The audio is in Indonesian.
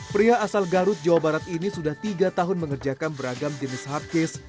pria asal garut jawa barat ini sudah tiga tahun mengerjakan beragam jenis hardcase